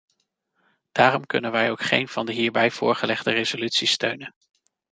Daarom kunnen wij ook geen van de hierbij voorgelegde resoluties steunen.